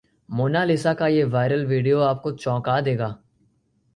Mona Lisa का ये viral video आपको चौंका देगा